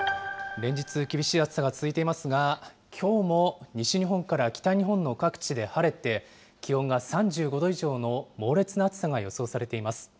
連日、厳しい暑さが続いていますが、きょうも西日本から北日本の各地で晴れて、気温が３５度以上の猛烈な暑さが予想されています。